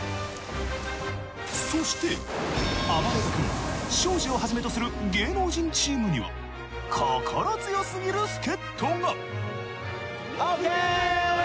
そしてあばれる君庄司をはじめとする芸能人チームには心強すぎる助っ人が！